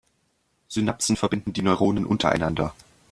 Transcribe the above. Synapsen verbinden die Neuronen untereinander.